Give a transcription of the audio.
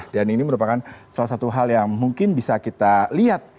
dan ini merupakan salah satu hal yang mungkin bisa kita lihat